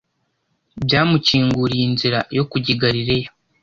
byamukinguriye inzira yo kujya i Galileya